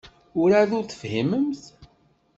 Werɛad ur tefhimemt.